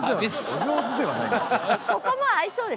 お上手ではないんですけど。